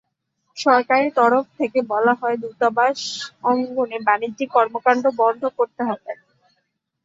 সরকারের তরফ থেকে বলা হয়, দূতাবাস অঙ্গনে বাণিজ্যিক কর্মকাণ্ড বন্ধ করতে হবে।